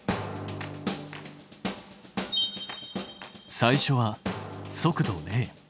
最初は速度０。